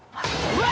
うわ！！